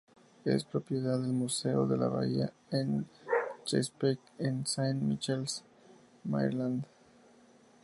Es propiedad del Museo de la Bahía de Chesapeake en Sain Michaels, Maryland.